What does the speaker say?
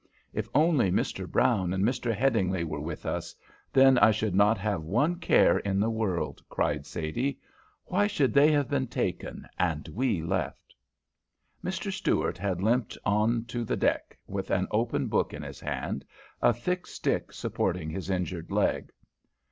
If only Mr. Brown and Mr. Headingly were with us, then I should not have one care in the world," cried Sadie. "Why should they have been taken, and we left?" Mr. Stuart had limped on to the deck with an open book in his hand, a thick stick supporting his injured leg.